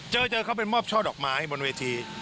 เจอเขาไปมอบช่อดอกไม้บนเวที